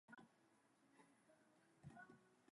The season started in October.